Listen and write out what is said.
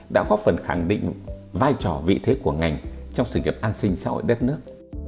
đã góp phần khẳng định vai trò vị thế của ngành trong sự nghiệp an sinh xã hội đất nước